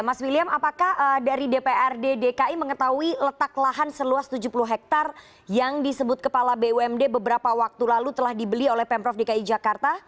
mas william apakah dari dprd dki mengetahui letak lahan seluas tujuh puluh hektare yang disebut kepala bumd beberapa waktu lalu telah dibeli oleh pemprov dki jakarta